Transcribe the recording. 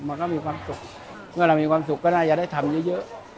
มันก็มีความสุขเมื่อเรามีความสุขก็น่าจะได้ทำเยอะ